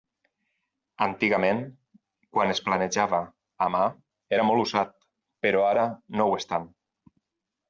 Antigament, quan es planejava a mà, era molt usat, però ara no ho és tant.